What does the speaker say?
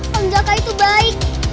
penjaga itu baik